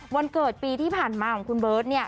วันเกิดปีที่ผ่านมาของคุณเบิร์ต